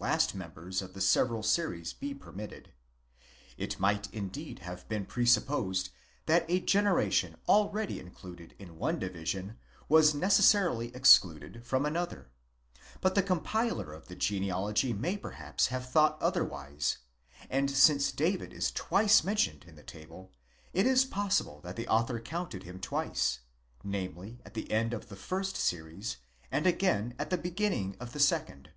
last members of the several series be permitted. It might indeed have been presupposed, that a generation already included in one division was necessarily excluded from another: but the compiler of the genealogy may perhaps have thought otherwise ; and since David is twice mentioned in the table, it is possible that the author counted him twice: namely, at the end of the first series, and again at the beginning of the second.